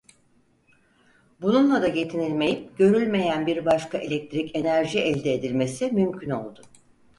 Bununla da yetinilmeyip görülmeyen bir başka elektrik enerji elde edilmesi mümkün oldu.